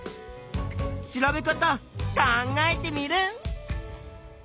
調べ方考えテミルン！